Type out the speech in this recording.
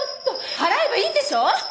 払えばいいんでしょ！？